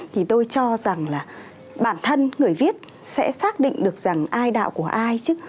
thì tôi cho rằng là bản thân người viết sẽ xác định được rằng ai đạo của ai chứ